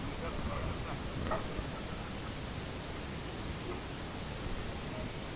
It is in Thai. เมื่อวานน้ำร้ายปะเนี่ยแม่ง